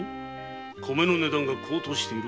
米の値段が高騰している？